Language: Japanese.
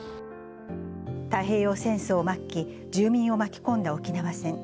太平洋戦争末期、住民を巻き込んだ沖縄戦。